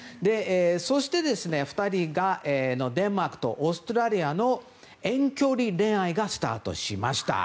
そして、２人がデンマークとオーストラリアの遠距離恋愛がスタートしました。